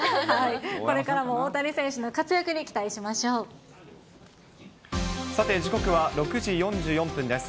これからも大谷選手の活躍にさて、時刻は６時４４分です。